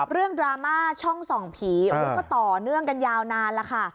เรื่องดราม่าช่อง๒ผีก็ต่อเนื่องกันยาวนานละ